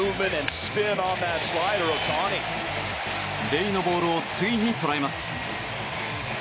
レイのボールをついに捉えます。